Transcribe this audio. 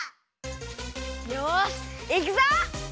よしいくぞ！